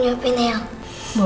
aku sudah mampu